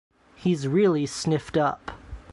He’s really sniffed up.